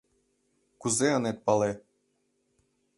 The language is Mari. Кузе ынет пале?!